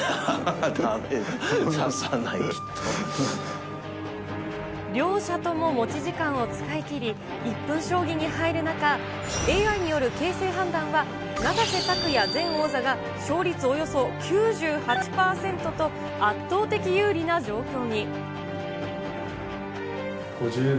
だめだ、指さない。両者とも持ち時間を使い切り、１分将棋に入る中、ＡＩによる形勢判断は永瀬拓矢前王座が勝率およそ９８％と圧倒的５０秒。